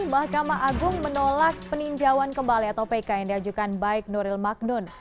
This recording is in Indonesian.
mahkamah agung menolak peninjauan kembali atau pk yang diajukan baik nuril magnun